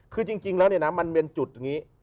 คือจริงแล้วมันมีจุดอย่างนี้